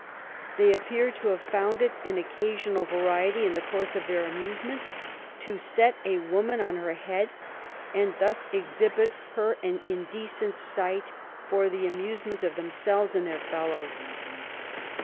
They appear to have found it an occasional variety, in the course of their amusements, to set a woman on her head and thus exhibit her, an indecent sight, for the amusement of themselves and their fellows.